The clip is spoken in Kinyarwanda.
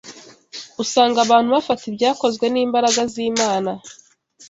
Usanga abantu bafata ibyakozwe n’imbaraga z’Imana